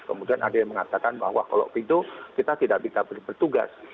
kemudian ada yang mengatakan bahwa kalau pintu kita tidak bisa bertugas